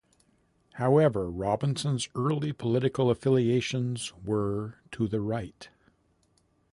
However, Robinson's early political affiliations were to the right.